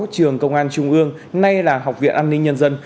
trường công an trung ương nay là học viện an ninh nhân dân